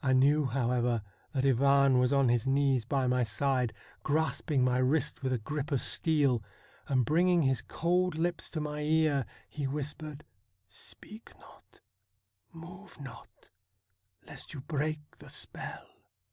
I knew, however, that Ivan was on his knees by my side, grasping my wrist with a grip of steel ; and, bringing his cold lips to my ear, he whis pered :' Speak not, move not, lest you break the spell.'